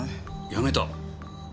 辞めた？